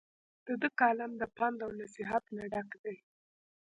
د دۀ کالم د پند او نصيحت نه ډک دے ۔